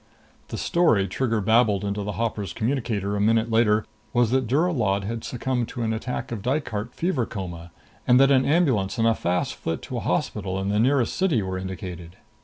The story Trigger babbled into the hopper's communicator a minute later was that Drura Lod had succumbed to an attack of Dykart fever coma and that an ambulance and a fast flit to a hospital in the nearest city were indicated.